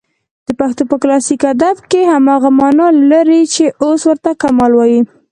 د پښتو په کلاسیک ادب کښي هماغه مانا لري، چي اوس ورته کمال وايي.